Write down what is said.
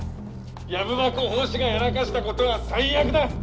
藪箱法師がやらかしたことは最悪だッ！